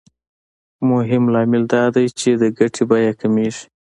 مهم لامل دا دی چې د ګټې بیه کمېږي